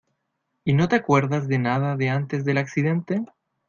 ¿ y no te acuerdas de nada de antes del accidente?